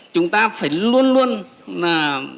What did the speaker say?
chúng ta phải luôn luôn là